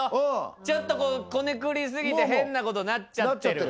ちょっとこうこねくりすぎて変なことなっちゃってる。